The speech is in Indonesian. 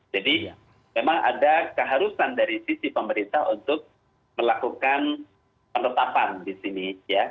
jadi memang ada keharusan dari sisi pemerintah untuk melakukan penetapan di sini ya